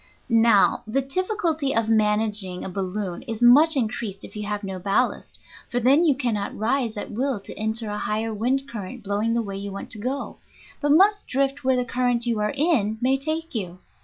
Now, the difficulty of managing a balloon is much increased if you have no ballast, for then you cannot rise at will to enter a higher wind current blowing the way you want to go, but must drift where the current you are in may take you.